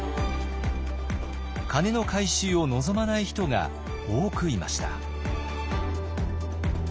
鐘の回収を望まない人が多くいました。